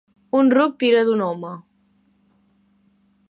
Un ruc tira d'un home.